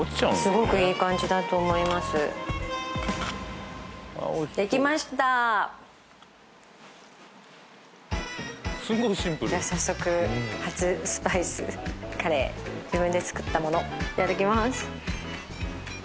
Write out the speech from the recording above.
すごくいい感じだと思いますできましたじゃあ早速初スパイスカレー自分で作ったものいただきます